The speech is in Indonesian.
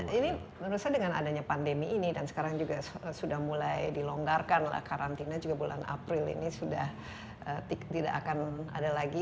nah ini menurut saya dengan adanya pandemi ini dan sekarang juga sudah mulai dilonggarkan lah karantina juga bulan april ini sudah tidak akan ada lagi